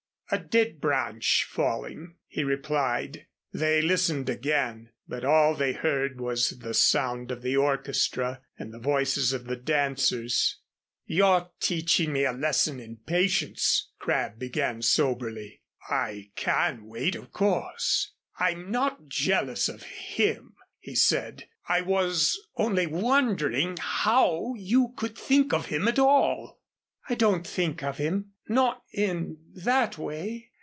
"A dead branch falling," he replied. They listened again, but all they heard was the sound of the orchestra and the voices of the dancers. "You're teaching me a lesson in patience," Crabb began again soberly. "I can wait, of course. I'm not jealous of him," he said. "I was only wondering how you could think of him at all." "I don't think of him not in that way.